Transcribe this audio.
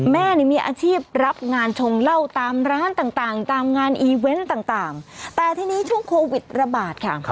แม่นี่มีอาชีพรับงานชงเหล้าตามร้านต่างตามงานอีเวนต์ต่างแต่ทีนี้ช่วงโควิดระบาดค่ะ